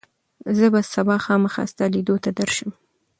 زه به سبا خامخا ستا لیدو ته درشم.